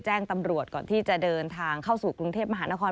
แจ้งตำรวจก่อนที่จะเดินทางเข้าสู่กรุงเทพมหานคร